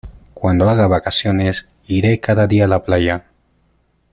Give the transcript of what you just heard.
Cuando haga vacaciones iré cada día a la playa.